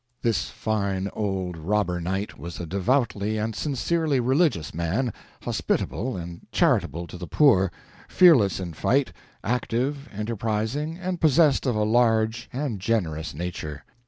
This fine old robber knight was a devoutly and sincerely religious man, hospitable, charitable to the poor, fearless in fight, active, enterprising, and possessed of a large and generous nature.